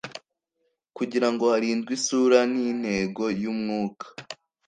kugirango harindwe isura n intego y umwuka